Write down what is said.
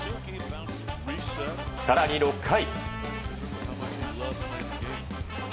更に６回。